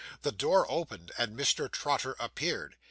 The door opened and Mr. Trotter appeared.